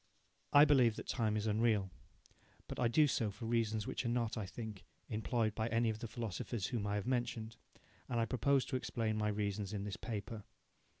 I believe that time is unreal. But I do so for reasons which are not, I think, employed by any of the philosophers whom I have mentioned, and I propose to explain my reasons in this paper.